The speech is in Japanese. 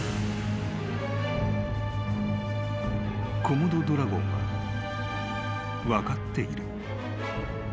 ［コモドドラゴンは分かっている］